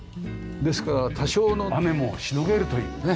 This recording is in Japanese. ですから多少の雨もしのげるというね。